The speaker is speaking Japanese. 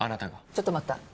ちょっと待った。